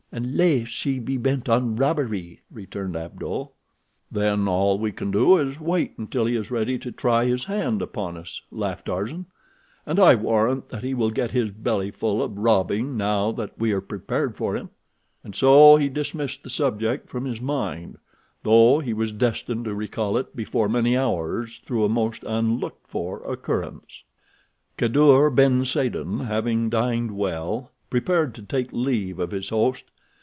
"Unless he be bent on robbery," returned Abdul. "Then all we can do is wait until he is ready to try his hand upon us," laughed Tarzan, "and I warrant that he will get his bellyful of robbing now that we are prepared for him," and so he dismissed the subject from his mind, though he was destined to recall it before many hours through a most unlooked for occurrence. Kadour ben Saden, having dined well, prepared to take leave of his host.